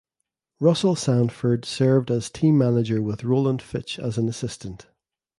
Russell Sanford served as team manager with Roland Fitch as an assistant.